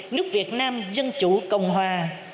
nước việt nam dân chủ cộng hòa